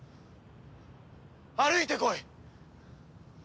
歩いて来い！